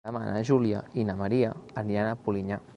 Demà na Júlia i na Maria aniran a Polinyà.